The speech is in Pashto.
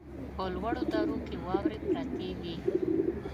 په لوړو درو کې واورې پرتې وې.